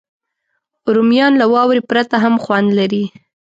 رومیان له واورې پرته هم خوند لري